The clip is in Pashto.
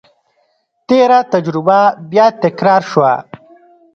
تېره تجربه بیا تکرار شوه.